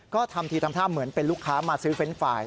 ก็ทำทีทำท่าเหมือนเป็นลูกค้ามาซื้อเฟรนด์ไฟล์